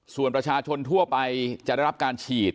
ส่วนประชาชนทั่วไปจะได้รับการฉีด